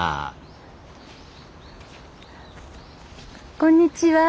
こんにちは。